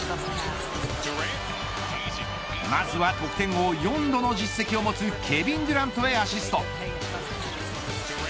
まずは得点王４度の実績を持つケビン・デュラントへアシスト。